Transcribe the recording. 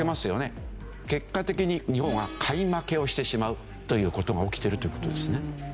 結果的に日本は買い負けをしてしまうという事が起きているという事ですね。